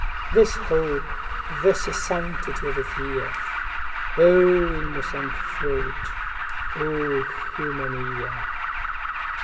This hope, this sanctity of fear?O innocent throat! O human ear!